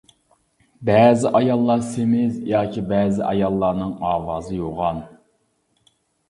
بەزى ئاياللار سېمىز ياكى بەزى ئاياللارنىڭ ئاۋازى يوغان.